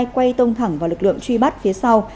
quay tông thẳng vào lực lượng truy bắt phía sau